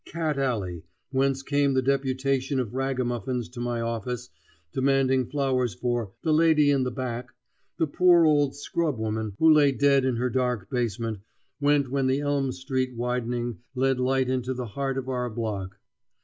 Cat Alley, whence came the deputation of ragamuffins to my office demanding flowers for "the lady in the back," the poor old scrubwoman who lay dead in her dark basement, went when the Elm Street widening let light into the heart of our block.